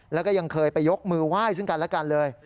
แล้วก็ยังเคยไปยกมือไหว้ซึ่งกันและกันเลย